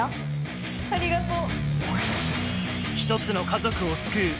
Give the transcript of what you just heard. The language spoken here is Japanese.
ありがとう。